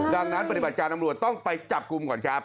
ดังนั้นปฏิบัติการตำรวจต้องไปจับกลุ่มก่อนครับ